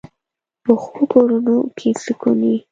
پخو کورونو کې سکون وي